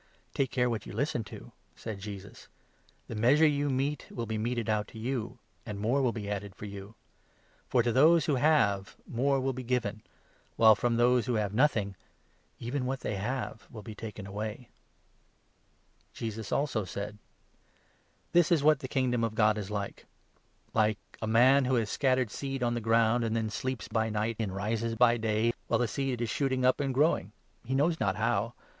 Take care what you listen to," said 24 Jesus. "The measure you mete will be meted out to you, and more will be added for you. For, to those who have, more will 25 be given ; while, from those who have nothing, even what they have will be taken away." Jesus also said : 26 Parable o f the J ...__.,.„..... seed growing This is what the Kingdom of God is like — unobserved, like a man who has scattered seed on the ground, and then sleeps by night and rises by day, while the seed is 27 shooting up and growing — he knows not how.